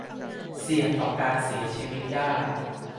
เสี่ยงต่อการเสียชีวิตได้